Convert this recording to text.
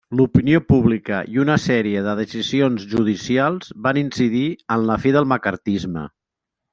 L'opinió pública i una sèrie de decisions judicials van incidir en la fi del maccarthisme.